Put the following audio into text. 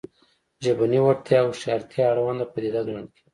ژبنۍ وړتیا د هوښیارتیا اړونده پدیده ګڼل کېږي